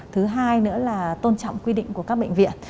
thứ hai nữa là tôn trọng quy định của các bệnh viện